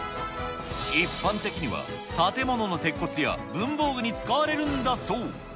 一般的には、建物の鉄骨や文房具に使われるんだそう。